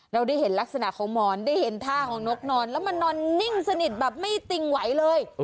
เราได้เห็นลักษณะของหมอนได้เห็นท่าของนกนอนแล้วมันนอนนิ่งสนิทแบบไม่ติงไหวเลย